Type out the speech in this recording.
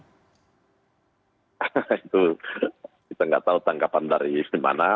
itu kita nggak tahu tangkapan dari mana